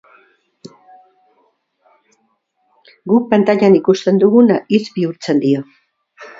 Guk pantailan ikusten duguna hitz bihurtzen dio.